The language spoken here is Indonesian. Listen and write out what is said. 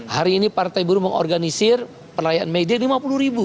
hari ini partai buruh mengorganisir perlayan may day lima puluh ribu